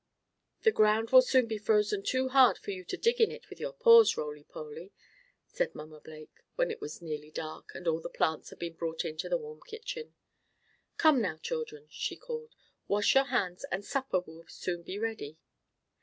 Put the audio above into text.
"The ground will soon be frozen too hard for you to dig in it with your paws, Roly Poly," said Mamma Blake, when it was nearly dark, and all the plants had been brought into the warm kitchen. "Come, now children," she called. "Wash your hands, and supper will soon be ready.